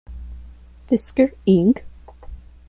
Fisker Inc.